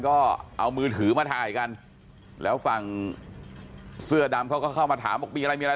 ก็เอามือถือมาถ่ายกันแล้วฝั่งเสื้อดำเขาก็เข้ามาถามบอกมีอะไรมีอะไร